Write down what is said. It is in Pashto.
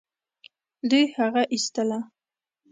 دوی هغه ايستله.